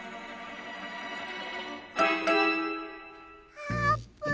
あーぷん。